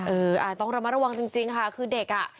เออต้องระมัดระวังจริงค่ะคือเด็กอ่ะ